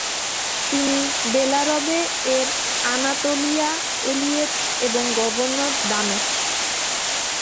তিনি বেলারবে এর আনাতোলিয়া এলিয়েত এবং গভর্নর দামেস্ক ।